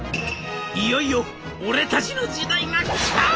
「いよいよ俺たちの時代がキター！